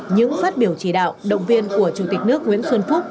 những phát biểu chỉ đạo động viên của chủ tịch nước nguyễn xuân phúc